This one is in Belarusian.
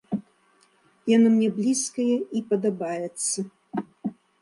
Яно мне блізкае і падабаецца.